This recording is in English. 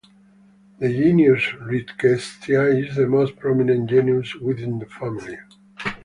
The genus "Rickettsia" is the most prominent genus within the family.